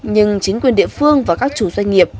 nhưng chính quyền địa phương và các chủ doanh nghiệp